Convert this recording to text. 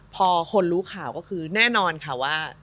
พอคนรู้ข่าวก็คือแน่นอนค่ะว่า